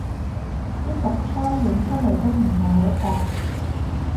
啲毒瘡影出嚟都唔係好覺